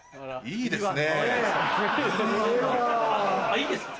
いいですね。